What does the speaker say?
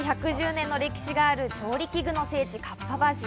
１１０年の歴史がある調理器具の聖地・かっぱ橋。